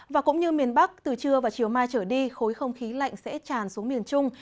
và cũng như miền bắc từ trưa và chiều mai trở đi khối không khí lạnh sẽ tràn xuống miền trung